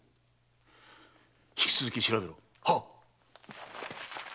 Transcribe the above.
引き続き調べろ。